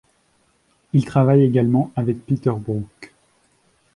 Il travaille également avec Peter Brook.